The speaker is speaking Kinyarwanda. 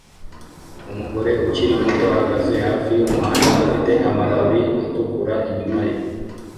Umugore ukiri muto ahagaze hafi yumuhanda afite amababi atukura inyuma ye